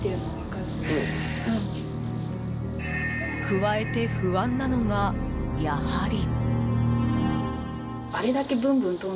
加えて不安なのが、やはり。